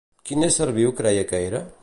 Quin ésser viu creia que era?